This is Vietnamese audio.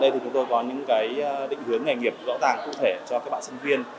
chúng tôi có những cái định hướng nghề nghiệp rõ ràng cụ thể cho các bạn sinh viên